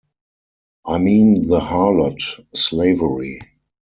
I mean the harlot, Slavery.